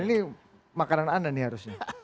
ini makanan anda nih harusnya